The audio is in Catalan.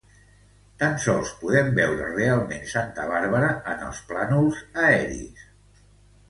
Tan sols podem veure realment Santa Bàrbara en els plànols aeris.